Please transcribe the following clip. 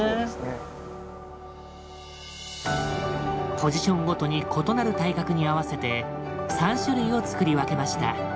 ポジションごとに異なる体格に合わせて３種類をつくり分けました。